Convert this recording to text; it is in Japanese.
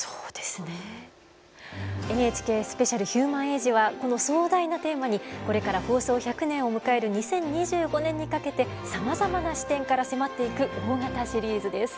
ＮＨＫスペシャル「ヒューマン・エイジ」はこの壮大なテーマにこれから放送１００年を迎える２０２５年にかけてさまざまな視点から迫っていく大型シリーズです。